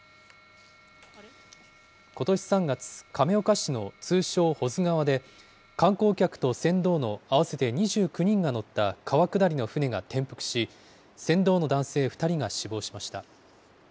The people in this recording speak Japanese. ことし３月、亀岡市の通称、保津川で観光客と船頭の合わせて２９人が乗った川下りの舟が転覆し、船頭の男性２人が死亡しました。